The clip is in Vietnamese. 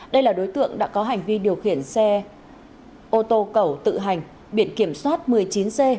đây là đối tượng đã có hành vi điều khiển xe ô tô cẩu tự hành biển kiểm soát một mươi chín c một mươi ba nghìn sáu trăm chín mươi sáu